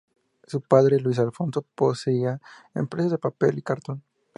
Su padre, Luis Alfonso poseía empresas de papel y cartón.